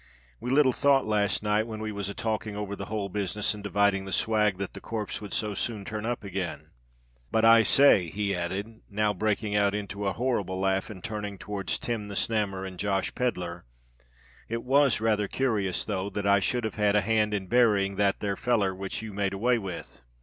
"We little thought last night, when we was a talking over the whole business and dividing the swag, that the corpse would so soon turn up again. But, I say," he added, now breaking out into a horrible laugh, and turning towards Tim the Snammer and Josh Pedler, "it was rather curious, though, that I should have had a hand in burying that there feller which you made away with."